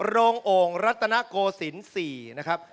โรงโอ่งรัตนโกศิลป์๔นะครับ